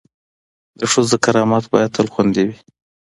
د ښځو کرامت باید تل خوندي وي.